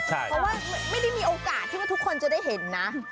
เพราะว่าไม่ได้มีโอกาสที่ว่าทุกคนจะได้เห็นนะ